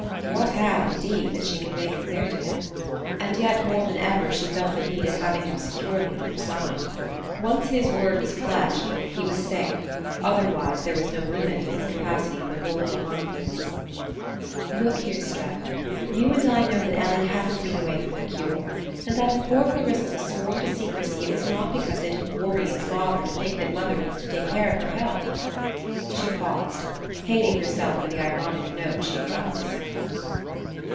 What had, indeed, that she could make clear to him? And yet more than ever she felt the need of having him securely on her side. Once his word was pledged, he was safe: otherwise there was no limit to his capacity for wilful harmfulness. "Look here, Streff, you and I know that Ellie hasn't been away for a cure; and that if poor Clarissa was sworn to secrecy it was not because it 'worries father' to think that mother needs to take care of her health." She paused, hating herself for the ironic note she had tried to sound.